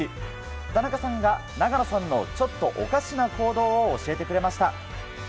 田中さんが永野さんのちょっとおかしな行動を教えてくれました。